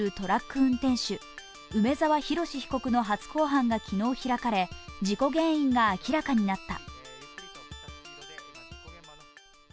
運転手梅沢洋被告の初公判が昨日開かれ、事故原因が明らかになった。